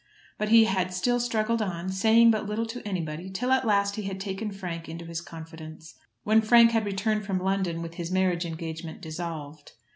But he had still struggled on, saying but little to anybody till at last he had taken Frank into his confidence, when Frank had returned from London with his marriage engagement dissolved.